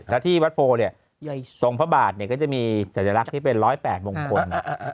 แล้วที่วัดโพเนี่ยทรงพระบาทเนี่ยก็จะมีสัญลักษณ์ที่เป็น๑๐๘มงคล